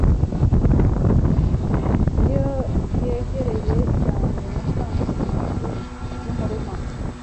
niyo yegereye cyane nasanze munzu yumurima